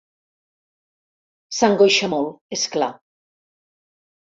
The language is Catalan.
S'angoixa molt, és clar.